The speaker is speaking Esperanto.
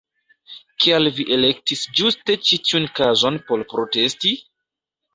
Kial vi elektis ĝuste ĉi tiun kazon por protesti?